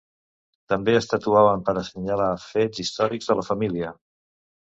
També es tatuaven per assenyalar fets històrics de la família.